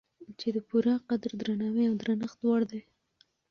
چې د پوره قدر، درناوي او درنښت وړ دی